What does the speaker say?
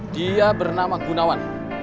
dia bernama gunawan